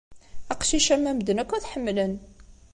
Aqcic am wa medden akk ad t-ḥemmlen.